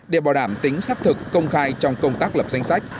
để bảo đảm tính xác thực công khai trong công tác lập danh sách